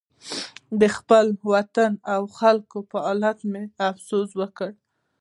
د خپل وطن او خلکو په حال مې افسوس وکړ.